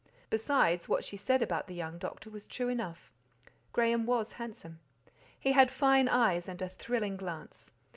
Besides, what she said about the young doctor was true enough. Graham was handsome; he had fine eyes and a thrilling glance.